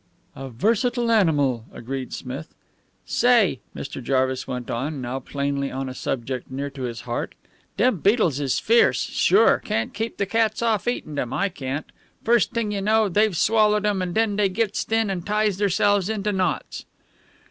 "A versatile animal," agreed Smith. "Say," Mr. Jarvis went on, now plainly on a subject near to his heart, "dem beetles is fierce. Sure! Can't keep de cats off of eatin' dem, I can't. First t'ing you know dey've swallowed dem, and den dey gits thin and ties theirselves into knots."